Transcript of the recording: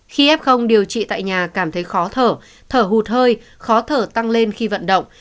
khi f điều trị tại nhà cảm thấy khó thở thở hụt hơi khó thở tăng lên khi vận động